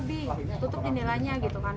tutup jendelanya gitu kan